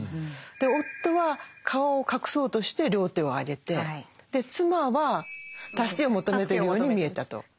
夫は顔を隠そうとして両手を上げて妻は助けを求めているように見えたと。